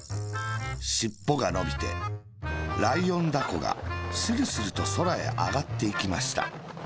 しっぽがのびてライオンだこがスルスルとそらへあがっていきました。